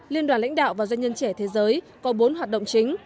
liên đoàn lãnh đạo và doanh nhân trẻ thế giới có bốn hoạt động chính